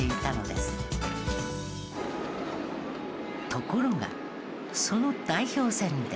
ところがその代表戦で。